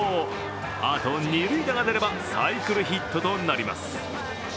あと二塁打が出ればサイクルヒットとなります。